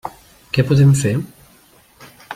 Què podem fer?